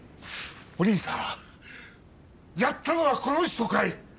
おりんさんやったのはこの人かい？